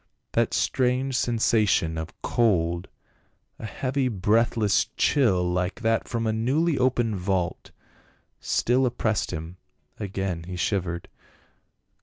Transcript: That strange sensation of cold, a heavj' breathless chill like that from a newly opened vault, still oppressed him ; again he shivered.